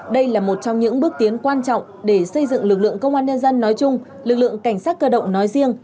đây là một trong những bước tiến quan trọng để xây dựng lực lượng công an nhân dân nói chung lực lượng cảnh sát cơ động nói riêng